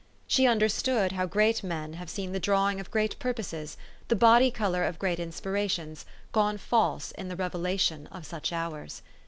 She understood how great men have seen the drawing of great purposes, the body color of great inspirations, gone false in the revelation of such hours.